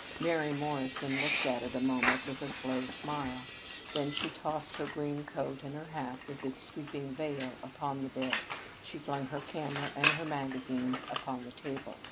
Mary Morrison looked at it a moment with a slow smile. Then she tossed her green coat and her hat with its sweeping veil upon the bed. She flung her camera and her magazines upon the table.